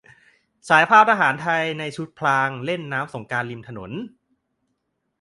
ฉายภาพทหารไทยในชุดพรางเล่นน้ำสงกรานต์ริมถนน